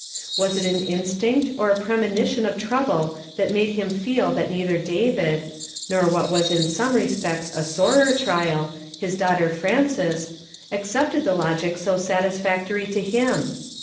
Was it an instinct or a premonition of trouble that made him feel that neither David, nor what was in some respects a sorer trial, his daughter Frances, accepted the logic so satisfac tory to him